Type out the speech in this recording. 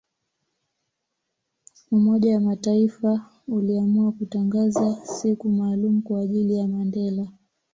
Umoja wa mataifa uliamua kutangaza siku maalumu Kwa ajili ya Mandela